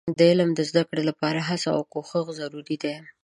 د علم د زده کړې لپاره هڅه او کوښښ ضروري دي.